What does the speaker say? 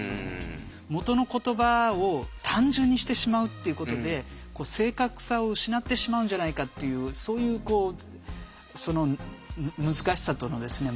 元の言葉を単純にしてしまうということで正確さを失ってしまうんじゃないかっていうそういうこうその難しさとのですね